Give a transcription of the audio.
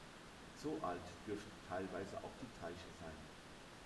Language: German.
So alt dürften teilweise auch die Teiche sein.